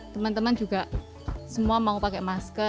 teman teman juga semua mau pakai masker